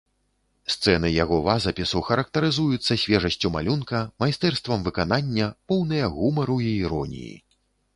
Сцэны яго вазапісу характарызуюцца свежасцю малюнка, майстэрствам выканання, поўныя гумару і іроніі.